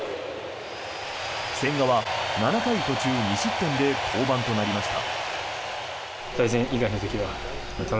千賀は７回途中２失点で降板となりました。